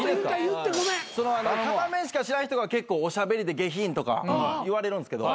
片面しか知らん人がおしゃべりで下品とか言われるんですけど